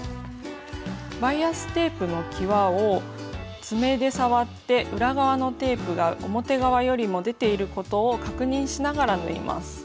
バイアステープのきわを爪で触って裏側のテープが表側よりも出ていることを確認しながら縫います。